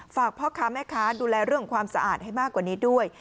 ฝากพ่อค้าแม่ค้าดูแลเรื่องความสะอาดให้มากกว่านี้ด้วย